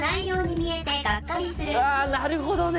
あぁなるほどね。